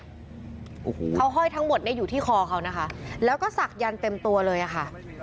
โอ้โหเขาห้อยทั้งหมดเนี่ยอยู่ที่คอเขานะคะแล้วก็ศักดันเต็มตัวเลยอะค่ะ